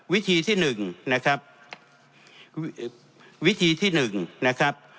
วิธีที่หนึ่งนะครับวิธีที่หนึ่งนะครับ